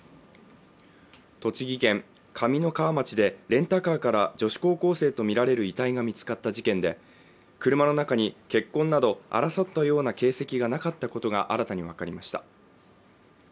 栃木県上三川町でレンタカーから女子高校生とみられる遺体が見つかった事件で車の中に血痕など争ったような形跡がなかったことが新たに分かりました